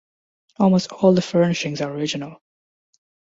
Almost all the furnishings are original.